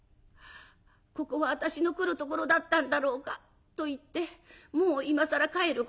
「ここは私の来るところだったんだろうか。といってもう今更帰ることはできない。